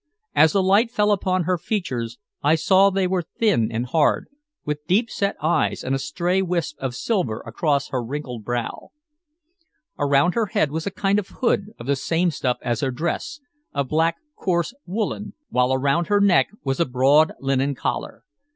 As the light fell upon her features I saw they were thin and hard, with deep set eyes and a stray wisp of silver across her wrinkled brow. Around her head was a kind of hood of the same stuff as her dress, a black, coarse woolen, while around her neck was a broad linen collar.